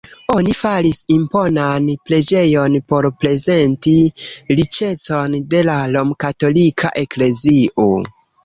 Oni faris imponan preĝejon por prezenti riĉecon de la romkatolika eklezio.